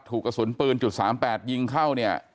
ถูกกระสุนปืนจุดสามแปดยิงเข้าเนี่ย